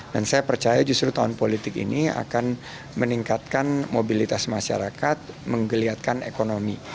dan saya percaya justru tahun politik ini akan meningkatkan mobilitas masyarakat menggeliatkan ekonomi